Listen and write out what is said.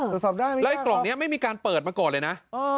เออสอบได้ไหมครับแล้วกล่องเนี้ยไม่มีการเปิดมาก่อนเลยน่ะอ๋อ